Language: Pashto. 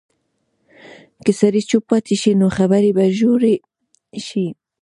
که سړی چوپ پاتې شي، نو خبرې به ژورې شي.